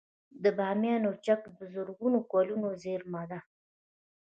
د بامیانو چک د زرګونه کلونو زیرمه ده